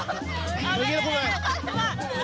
พูดดีพูดดีพูดดีพูดดีพูดดี